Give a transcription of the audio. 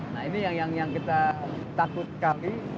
nah ini yang kita takut sekali